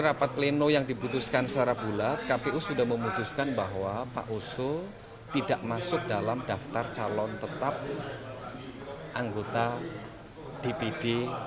rapat pleno yang dibutuhkan secara bulat kpu sudah memutuskan bahwa pak oso tidak masuk dalam daftar calon tetap anggota dpd